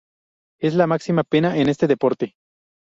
Es la máxima pena en este deporte.